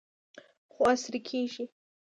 خو عصري کیږي.